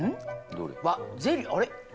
ゼリーあれっ？